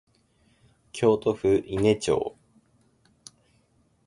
京都府伊根町